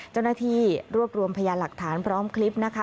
เจ้าหน้าที่รวบรวมพยานหลักฐานพร้อมคลิปนะคะ